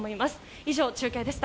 以上、中継でした。